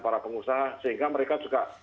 para pengusaha sehingga mereka juga